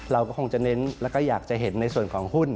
เราก็คงจะเน้นแล้วก็อยากจะเห็นในส่วนของหุ้น